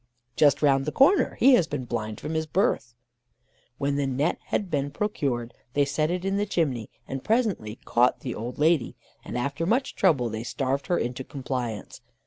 "'Just round the corner: he has been blind from his birth.' "When the net had been procured, they set it in the chimney, and presently caught the old lady, and after much trouble they starved her into compliance.